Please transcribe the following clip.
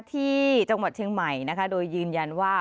ที่จังหวัดเชียงใหม่นะคะโดยยืนยันว่า